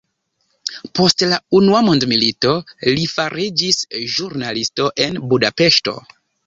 Post la unua mondmilito li fariĝis ĵurnalisto en Budapeŝto.